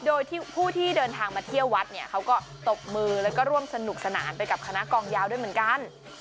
โดยที่ผู้ที่เดินทางมาเที่ยววัดเนี่ยเขาก็ตบมือแล้วก็ร่วมสนุกสนานไปกับคณะกองยาวด้วยเหมือนกัน